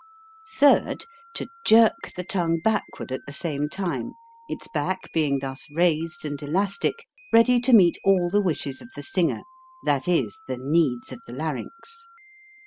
Third, to jerk the tongue backward at the 197 198 HOW TO SING same time, its back being thus raised and elastic, ready to meet all the wishes of the singer that is, the needs of the larynx.